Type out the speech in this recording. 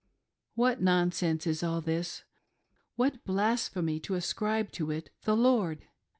What nonsense is all this : what blasphemy to ascribe it to "the Lord!"